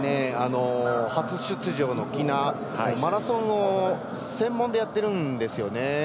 初出場の喜納、マラソンを専門でやってるんですよね。